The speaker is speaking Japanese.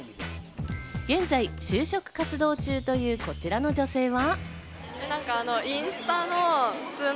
現在、就職活動中というこちらの女性は。